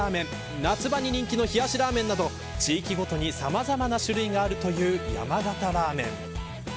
夏場に人気の冷やしラーメンなど地域ごとにさまざまな種類があるという山形ラーメン。